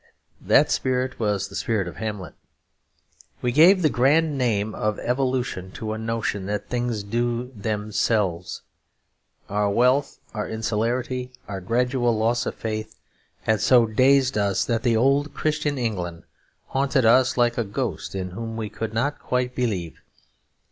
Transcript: That spirit was the spirit of Hamlet. We gave the grand name of "evolution" to a notion that things do themselves. Our wealth, our insularity, our gradual loss of faith, had so dazed us that the old Christian England haunted us like a ghost in whom we could not quite believe.